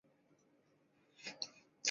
唇兰属是兰科下的一个属。